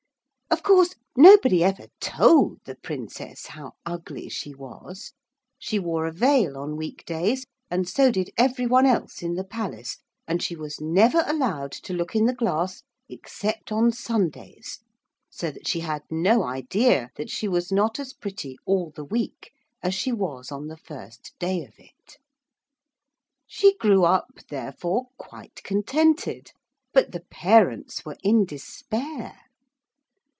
Of course nobody ever told the Princess how ugly she was. She wore a veil on week days, and so did every one else in the palace, and she was never allowed to look in the glass except on Sundays, so that she had no idea that she was not as pretty all the week as she was on the first day of it. She grew up therefore quite contented. But the parents were in despair.